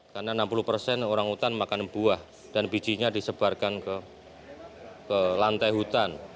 karena enam puluh persen orangutan makan buah dan bijinya disebarkan ke lantai hutan